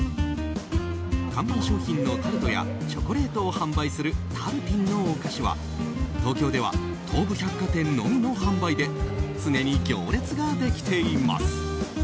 看板商品のタルトやチョコレートを販売するタルティンのお菓子は東京では東武百貨店のみの販売で常に行列ができています。